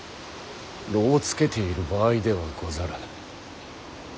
艪をつけている場合ではござらぬ。